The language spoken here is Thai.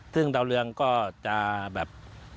ซึ่งดาวเรืองก็จะแบบ